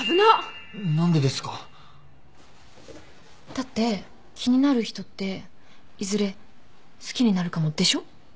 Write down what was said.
だって気になる人っていずれ好きになるかもでしょ？